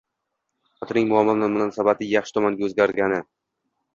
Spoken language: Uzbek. Xotinining muomala-munosabati yaxshi tomonga oʻzgargani